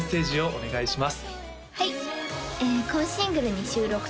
お願いします